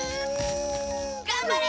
がんばれ！